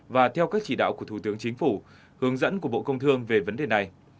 và theo các chỉ đạo của thủ tướng chính phủ hướng dẫn của bộ công thương về vấn đề này